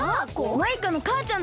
マイカのかあちゃんだよ。